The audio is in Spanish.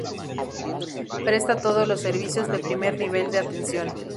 Presta todos los servicios de primer nivel de atención.